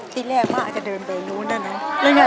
ที่แรกมันอาจจะเดินไปนู้นด้านนั้น